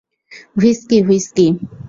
Whisky, whisky.